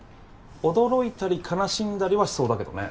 驚いたり悲しんだりはしそうだけどね。